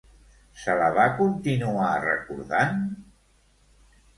Se la va continuar recordant?